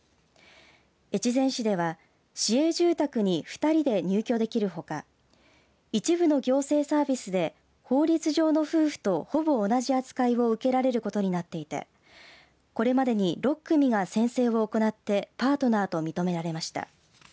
越前市では市営住宅に２人で入居できるほか一部の行政サービスで法律上の夫婦と、ほぼ同じ扱いを受けられることになっていてこれまでに６組が宣誓を行ってパートナーと認められました。